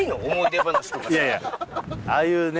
いやいやああいうね